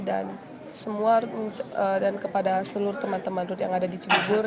dan kepada seluruh teman teman ruth yang ada di cibubur